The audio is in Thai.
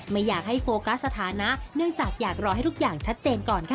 ไม่อยากให้โฟกัสสถานะเนื่องจากอยากรอให้ทุกอย่างชัดเจนก่อนค่ะ